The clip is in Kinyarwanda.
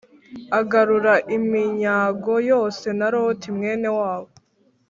Agarura iminyago yose na Loti mwene wabo